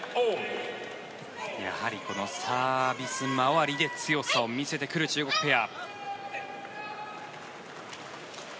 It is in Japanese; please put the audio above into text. やはりこのサービス周りで強さを見せてくる中国ペア。